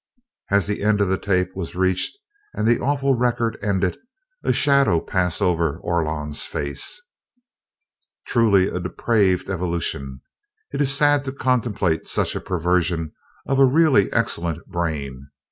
As the end of the tape was reached and the awful record ended, a shadow passed over Orlon's face. "Truly a depraved evolution it is sad to contemplate such a perversion of a really excellent brain.